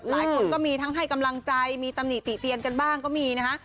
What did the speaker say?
หลายคนก็มีทั้งให้กำลังใจมีตำหนิติเตียนกันบ้างก็มีนะฮะ